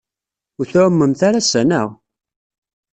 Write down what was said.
Ur tɛumemt ara ass-a, naɣ?